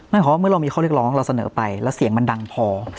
ไม่ออกว่าเมื่อเราเขาเรียกร้องเสนอไปแล้วเสียงมันดังพอ